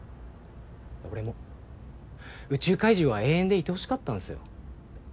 俺も宇宙怪獣は永遠でいてほしかったんっすよ。